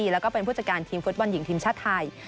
แล้วก็เป็นผู้จัดการทีมฟุตบอลหญิงทีมชาติไทย